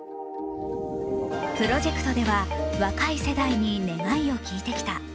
プロジェクトでは若い世代に願いを聴いてきた。